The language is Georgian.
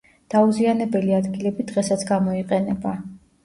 დაუზიანებელი ადგილები დღესაც გამოიყენება.